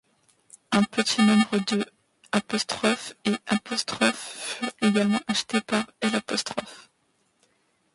Un petit nombre de ' et ' furent également achetés par l'.